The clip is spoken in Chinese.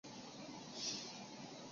串钱柳这名字得名于它独特的果实。